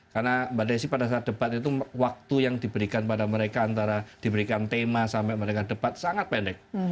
karena pada saat debat itu waktu yang diberikan pada mereka antara diberikan tema sampai mereka debat sangat pendek